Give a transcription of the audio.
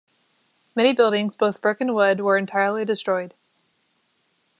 Many buildings, both brick and wood, were entirely destroyed.